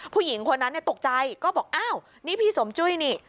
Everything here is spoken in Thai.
ผู้หญิงคนนั้นตกใจก็บอกอ้าวนี่พี่สมจุ้ยนี่